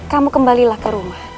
kamu kembalilah ke rumah